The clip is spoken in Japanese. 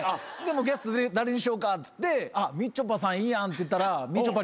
ゲスト誰にしようかっつってみちょぱさんいいやんって言ったら。